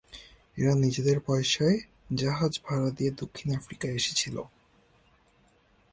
এরা নিজেদের পয়সায় জাহাজ ভাড়া দিয়ে দক্ষিণ আফ্রিকায় এসেছিল।